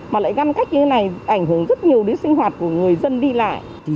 mà lại ngăn cách như thế này ảnh hưởng rất nhiều đến sinh hoạt của người dân đi lại